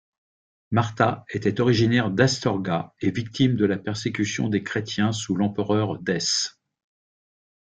Martha était originaire d'Astorga et victime de la persécution des chrétiens sous l'empereur Dèce.